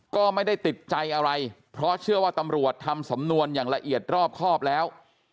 ก็ไม่ได้ติดใจอะไรเพราะเชื่อว่าตำรวจทำสำนวนอย่างละเอียดรอบครอบแล้ว